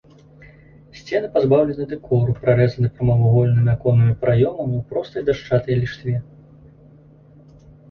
Сцены пазбаўлены дэкору, прарэзаны прамавугольнымі аконнымі праёмамі ў простай дашчанай ліштве.